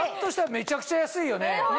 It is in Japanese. めちゃくちゃ安いよね。